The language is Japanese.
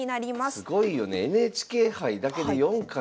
すごいよね。